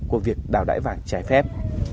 của việc đảo đại vàng trái phép